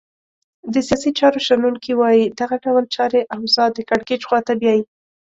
د سیاسي چارو شنونکي وایې دغه ډول چاري اوضاع د کرکېچ خواته بیایې.